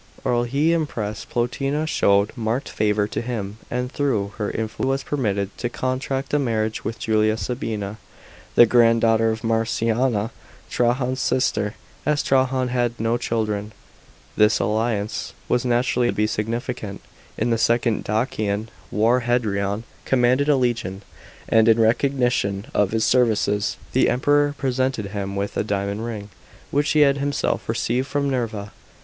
rl he Empress Plotina showed marked favour to him, and through her influence he was permitted to con tract a marriage with Julia Sabina, the grand daughter of Marciana, Trajan's sister. As Trajan had no children, this alliance was naturally held to be significant. In the second Dacian war Hadrian commanded a legion, and in recognition of his services the Emperor presented him with a diamond ring which he had himself received from Nerva.